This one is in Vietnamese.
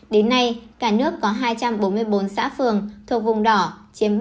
đến nay cả nước có hai trăm bốn mươi bốn xã phường thuộc vùng vàng chiếm chín hai